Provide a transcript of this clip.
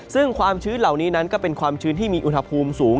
ซึ่งความชื้นเหล่านี้นั้นก็เป็นความชื้นที่มีอุณหภูมิสูง